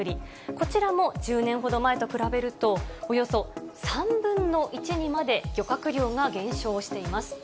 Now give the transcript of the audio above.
こちらも１０年ほど前と比べると、およそ３分の１にまで漁獲量が減少しています。